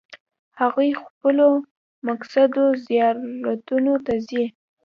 هغوی خپلو مقدسو زیارتونو ته ځي.